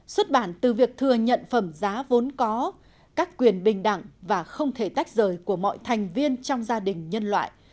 xuất bản từ việc thừa nhận phẩm giá vốn có các quyền bình đẳng và không thể tách rời của mọi thành viên trong gia đình nhân loại